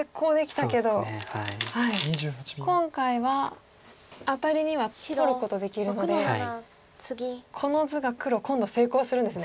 今回はアタリには取ることできるのでこの図が黒今度成功するんですね。